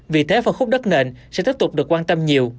vì thế phân khúc đất nền sẽ tiếp tục được quan tâm nhiều